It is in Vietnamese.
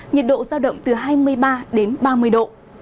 nhiệt độ giao động từ hai mươi ba đến ba mươi độ